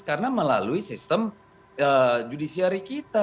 karena melalui sistem judisiari kita